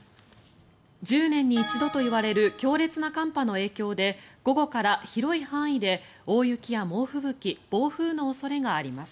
１０年に一度といわれる強烈な寒波の影響で午後から広い範囲で大雪や猛吹雪暴風の恐れがあります。